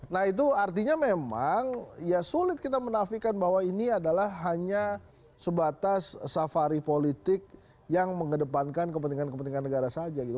nah itu artinya memang ya sulit kita menafikan bahwa ini adalah hanya sebatas safari politik yang mengedepankan kepentingan kepentingan negara saja gitu